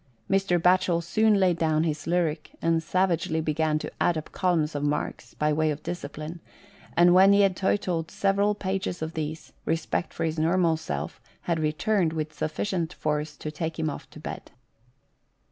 Mr. Batchel soon laid down his lyric and savagely began to add up columns of marks, by way of discipline ; and when he had totalled several pages of these, respect for his normal self had returned with sufficient force to take him off to bed.